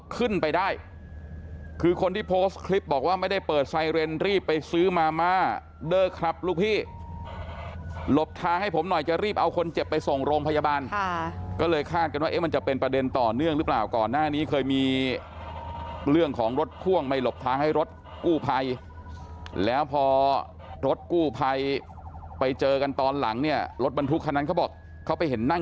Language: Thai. ขึ้นไปได้คือคนที่โพสต์คลิปบอกว่าไม่ได้เปิดไซเรนรีบไปซื้อมาม่าเด้อครับลูกพี่หลบทางให้ผมหน่อยจะรีบเอาคนเจ็บไปส่งโรงพยาบาลก็เลยคาดกันว่าเอ๊ะมันจะเป็นประเด็นต่อเนื่องหรือเปล่าก่อนหน้านี้เคยมีเรื่องของรถพ่วงไม่หลบทางให้รถกู้ภัยแล้วพอรถกู้ภัยไปเจอกันตอนหลังเนี่ยรถบรรทุกคันนั้นเขาบอกเขาไปเห็นนั่ง